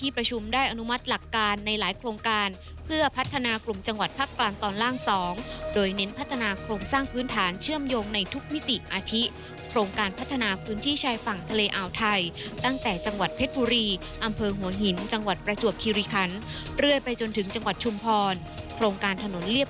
ไปติดตามจากรอยงานครับ